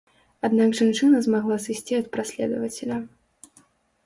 Аднак жанчына змагла сысці ад праследавацеля.